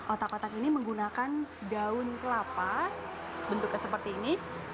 otak otak ini menggunakan daun kelapa bentuknya seperti ini